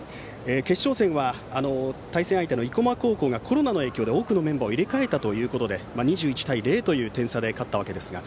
決勝戦は対戦相手の生駒高校がコロナの影響で多くのメンバーを入れ替えたので２１対０という点差で勝ちました。